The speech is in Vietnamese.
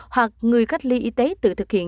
hoặc người cách ly y tế tự thực hiện